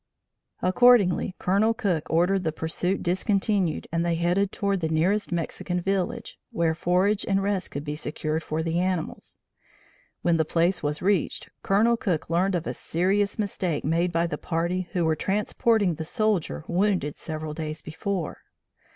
Accordingly Colonel Cook ordered the pursuit discontinued and they headed toward the nearest Mexican village, where forage and rest could be secured for the animals. When the place was reached, Colonel Cook learned of a serious mistake made by the party who were transporting the soldier wounded several days before.